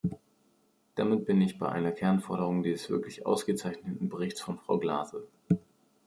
Damit bin ich bei einer Kernforderung dieses wirklich ausgezeichneten Berichts von Frau Glase.